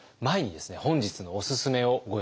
本日のおすすめをご用意いたしました。